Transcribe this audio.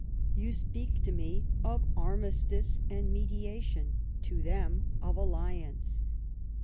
You speak to me of armistice and mediation; to them of alliance.